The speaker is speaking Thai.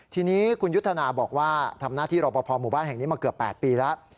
ทีนี้คุณยุทธนาบอกว่าทำหน้าที่รอปภหมู่บ้านแห่งนี้มาเกือบ๘ปีแล้ว